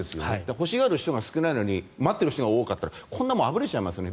欲しがる人が少ないのに待っている人が多かったからこんなものあぶれちゃいますよね。